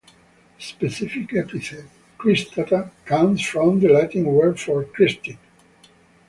The specific epithet, "cristata", comes from the Latin word for crested.